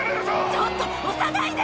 ちょっと押さないで！